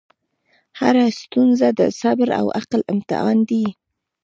هره ستونزه د صبر او عقل امتحان دی.